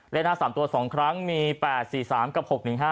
หน้า๓ตัว๒ครั้งมี๘๔๓กับ๖๑๕